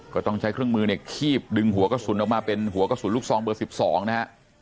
ก็ต้องใช้เครื่องมือเนี่ยคีบดึงหัวกระสุนออกมาเป็นหัวกระสุนลูกซองเบอร์๑๒นะฮะ